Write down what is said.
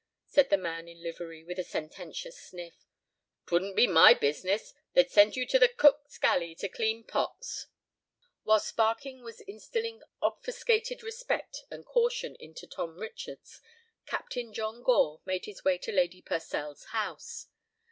said the man in livery, with a sententious sniff. "'Twouldn't be my business. They'd send you to the cook's galley to clean pots." While Sparkin was instilling obfuscated respect and caution into Tom Richards, Captain John Gore made his way to Lady Purcell's house.